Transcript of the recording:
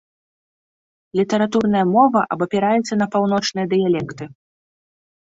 Літаратурная мова абапіраецца на паўночныя дыялекты.